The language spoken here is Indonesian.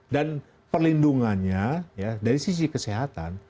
dan perlindungannya dari sisi kesehatan